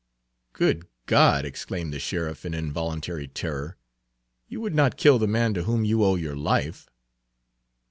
"Good God!" exclaimed the sheriff in involuntary terror; "you would not kill the man to whom you owe your own life."